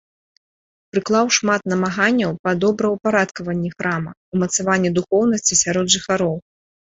Прыклаў шмат намаганняў па добраўпарадкаванні храма, умацаванні духоўнасці сярод жыхароў.